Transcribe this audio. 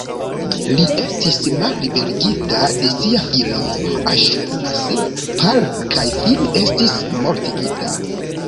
Li estis malliberigita de sia filo "Aŝur-nasir-pal" kaj fine estis mortigita.